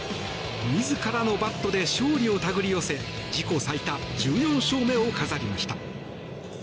自らのバットで勝利をたぐり寄せ自己最多１４勝目を飾りました。